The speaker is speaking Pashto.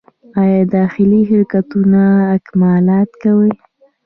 آیا داخلي شرکتونه اکمالات کوي؟